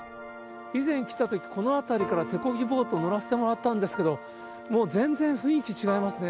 以前来たとき、この辺りから手こぎボート乗らせてもらったんですけど、もう全然雰囲気違いますね。